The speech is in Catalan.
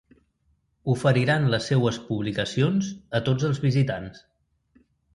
Oferiran les seues publicacions a tots els visitants.